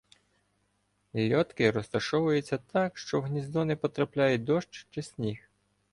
Льотки розташовуються так, що в гніздо не потрапляє дощ чи сніг.